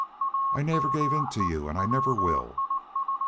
... I never gave in to y'u an' I never will."